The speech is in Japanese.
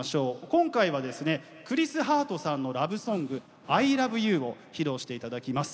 今回はですねクリス・ハートさんのラブソング「ＩＬＯＶＥＹＯＵ」を披露して頂きます。